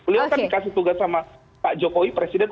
beliau kan dikasih tugas sama pak jokowi presiden